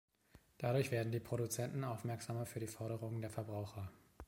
Dadurch werden die Produzenten aufmerksamer für die Forderungen der Verbraucher.